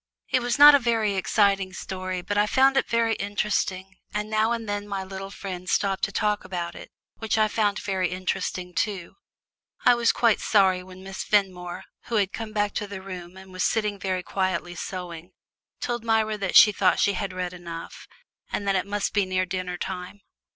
It was not a very exciting story, but I found it very interesting, and now and then my little friend stopped to talk about it, which I found very interesting too. I was quite sorry when Miss Fenmore, who had come back to the room and was sitting quietly sewing, told Myra that she thought she had read enough, and that it must be near dinner time.